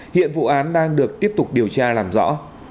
hiện vụ án đang được tiếp tục điều tra làm rõ